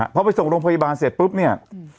พอไปส่งโรงพยาบาลเสร็จปุ๊บเนี่ย